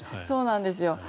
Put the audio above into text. そうなんですよ。